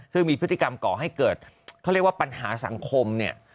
ซึ่งมีพฤติกรรมก่อให้เกิดเขาเรียกว่าปัญหาสังคมเนี่ย